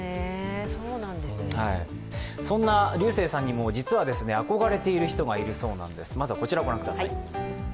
そんなリュウセイさんにも実は憧れている人がいるそうなんです。